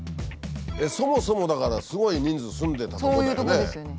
そもそもだからすごい人数住んでたとこだよね。